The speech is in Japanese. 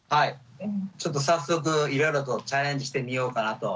ちょっと早速いろいろとチャレンジしてみようかなと。